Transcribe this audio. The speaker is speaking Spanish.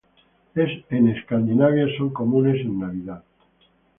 En Escandinavia, son comunes en Navidad.